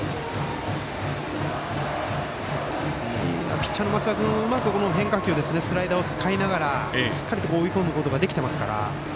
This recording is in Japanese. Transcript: ピッチャーの増田君うまく変化球スライダーを使いながらしっかりと追い込むことができてますから。